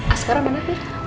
askarah mana tuh